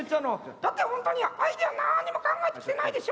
「だって本当にアイデアなんにも考えてきてないでしょ？」。